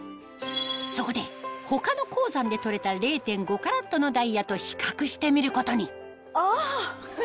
そこで他の鉱山で採れた０．５カラットのダイヤと比較してみることにあ！